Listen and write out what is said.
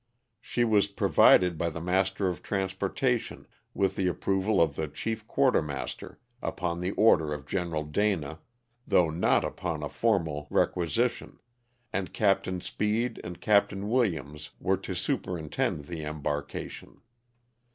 She was provided by the master of traus portation, with the approval of the chief quartermaster, upon the order of General Diua, thoagh not up^n a formal requisi tion, and Captain Speed and Captain Williams were to super intend the embarkation.